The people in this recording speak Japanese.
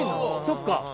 そっか。